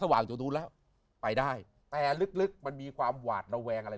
ว่างจากนู้นแล้วไปได้แต่ลึกมันมีความหวาดระแวงอะไร